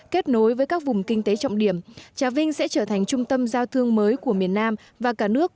kết nối với các vùng kinh tế trọng điểm trà vinh sẽ trở thành trung tâm giao thương mới của miền nam và cả nước